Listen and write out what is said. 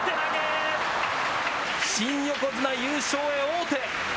新横綱、優勝へ王手。